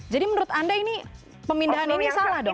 jadi menurut anda ini pemindahan ini salah dong